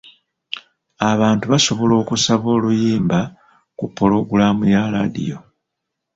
Abantu basobola okusaba oluyimba ku pulogulaamu ya laadiyo.